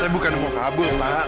bukan mau kabur pak